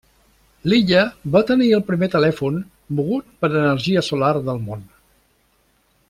L'illa va tenir el primer telèfon mogut per energia solar del món.